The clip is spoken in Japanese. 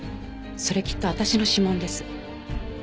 それきっと私の指紋です。